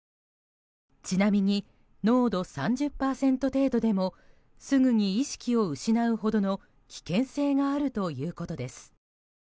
ちなみに、濃度３０％程度でもすぐに意識を失うほどの危険性があるということです。